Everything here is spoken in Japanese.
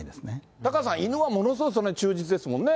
タカさん、犬はものすごいそのへん忠実ですもんね？